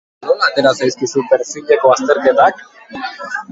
Nola atera zaizkizu perfileko azterketak?